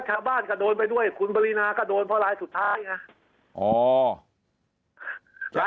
ชาวบ้านก็โดนไปด้วยคุณปรินาก็โดนเพราะรายสุดท้ายไง